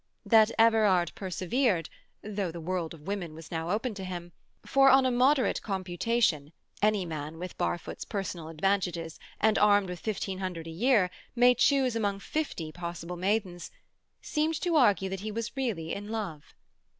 That Everard persevered, though the world of women was now open to him—for, on a moderate computation, any man with Barfoot's personal advantages, and armed with fifteen hundred a year, may choose among fifty possible maidens—seemed to argue that he was really in love.